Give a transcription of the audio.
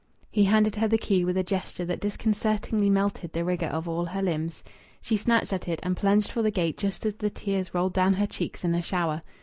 He handed her the key with a gesture that disconcertingly melted the rigour of all her limbs. She snatched at it, and plunged for the gate just as the tears rolled down her cheeks in a shower.